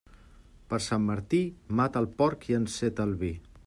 Per Sant Martí, mata el porc i enceta el vi.